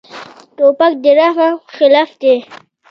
توپک د رحم خلاف دی.